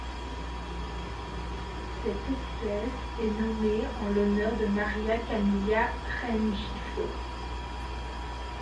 Cette espèce est nommée en l'honneur de María Camila Renjifo.